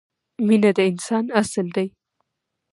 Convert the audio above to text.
مینه د انسان اصل دی.